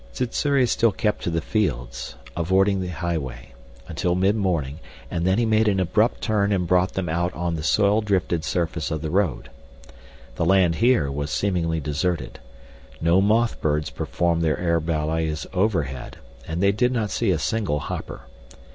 Sssuri still kept to the fields, avoiding the highway, until mid morning, and then he made an abrupt turn and brought them out on the soil drifted surface of the road. The land here was seemingly deserted. No moth birds performed their air ballets overhead, and they did not see a single hopper.